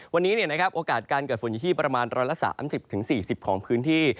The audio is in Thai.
วันนี้โอกาสการเกิดฝนอยู่ที่ประมาณ๑๓๐๔๐ของพื้นที่